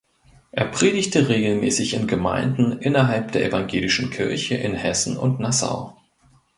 Er predigte regelmäßig in Gemeinden innerhalb der Evangelischen Kirche in Hessen und Nassau.